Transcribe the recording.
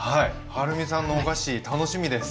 はるみさんのお菓子楽しみです。